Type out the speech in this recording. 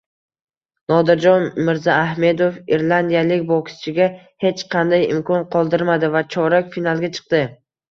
Nodirjon Mirzahmedov irlandiyalik bokschiga hech qanday imkon qoldirmadi va chorak finalga chiqdi